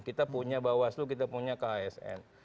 kita punya bawaslu kita punya ksn